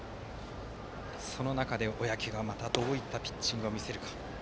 その中で小宅がまたどういったピッチングを見せるか。